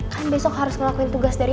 kan besok harus ngelakuin tugas dari